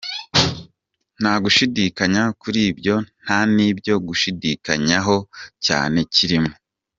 Nta gushidikanya kuri ibyo nta n’ibyo gushidikanyaho cyane kirimo.